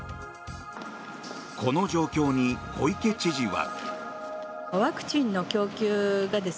この状況に小池知事は。